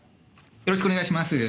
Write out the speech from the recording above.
よろしくお願いします。